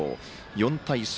４対３。